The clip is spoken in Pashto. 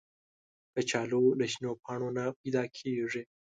کچالو له شنو پاڼو نه پیدا کېږي